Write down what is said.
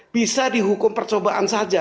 bisa dihukum percobaan saja